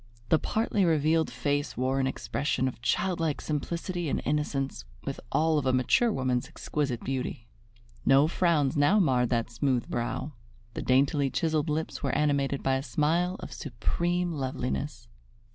The partly revealed face wore an expression of childlike simplicity and innocence, with all of a mature woman's exquisite beauty. No frowns now marred that smooth brow; the daintily chiseled lips were animated by a smile of supreme loveliness.